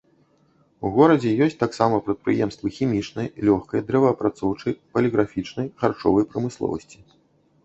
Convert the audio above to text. У горадзе ёсць таксама прадпрыемствы хімічнай, лёгкай, дрэваапрацоўчай, паліграфічнай, харчовай прамысловасці.